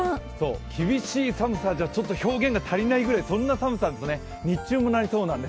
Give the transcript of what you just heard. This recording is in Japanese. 厳しい寒さじゃ表現が足りないぐらい寒い日中もなりそうなんです。